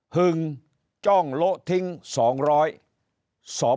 หึงจ้องโละทิ้ง๒๐๐สปธผลงานออกมา